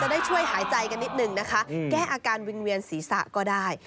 ได้ช่วยหายใจกันนิดนึงนะคะแก้อาการวิ่งเวียนศีรษะก็ได้